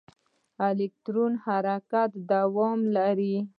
د الکترون حرکت دوام لري.